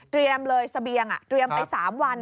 เตรียมเลยเสบียงเตรียมไป๓วัน